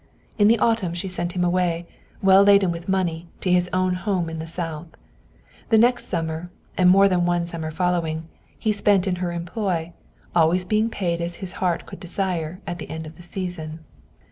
In the autumn she sent him away, well laden with money, to his own home in the south. The next summer, and more than one summer following, he spent in her employ, always being paid as his heart could desire, at the end of the season.